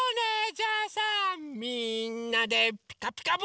じゃあさみんなで「ピカピカブ！」